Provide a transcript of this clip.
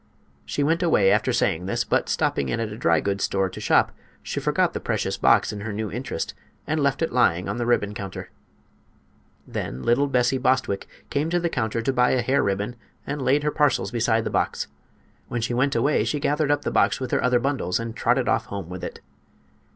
She went away, after saying this, but stopping in at a dry goods store to shop, she forgot the precious box in her new interest and left it lying on the ribbon counter. Then little Bessie Bostwick came to the counter to buy a hair ribbon and laid her parcels beside the box. When she went away she gathered up the box with her other bundles and trotted off home with it.